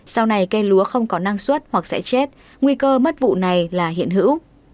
sau này cây lúa không có năng suất hoặc sẽ chết nguy cơ mất vụ này là hiện hữu